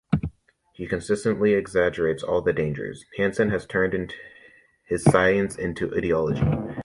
He consistently exaggerates all the dangers... Hansen has turned his science into ideology.